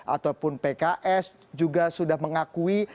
ataupun pks juga sudah mengakui